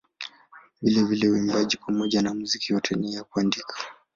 Vilevile uimbaji pamoja na muziki yote ni ya kuandikwa.